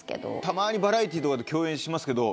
たまにバラエティーとかで共演しますけど。